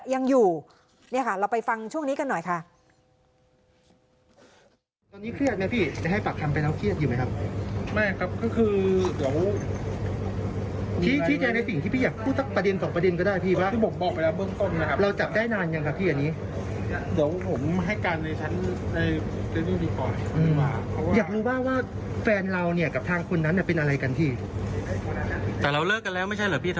ยังอยู่เนี่ยค่ะเราไปฟังช่วงนี้กันหน่อยค่ะ